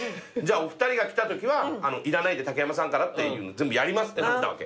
お二人が来たときはいらないで竹山さんからって全部やります」ってなったわけ。